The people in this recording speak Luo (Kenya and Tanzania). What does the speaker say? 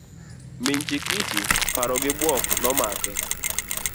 Min Chikichi paro gi buok nomake.